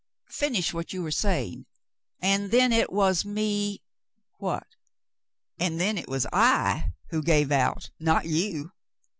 "Finish what you were saying? And then it was me — what?'* "And then it was I who gave out, not you."